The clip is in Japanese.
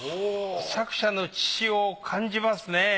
作者の血潮を感じますね。